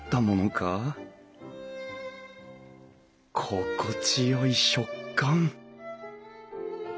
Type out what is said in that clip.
心地よい食感！